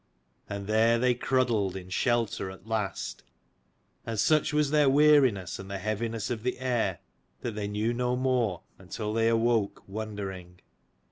And there they cruddled, in shelter at 144 last: and such was their weariness and the heaviness of the air, that they knew no more until they awoke wondering.